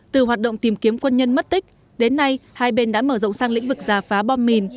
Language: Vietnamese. từ hoạt động tìm kiếm quân nhân mất tích đến nay hai bên đã mở rộng sang lĩnh vực giả phá bom mìn